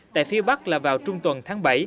tại phía bắc là vào trung tuần tháng bảy